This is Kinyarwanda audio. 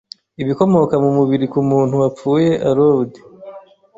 ibikomoka mu mubiri ku muntu wapfuye allowed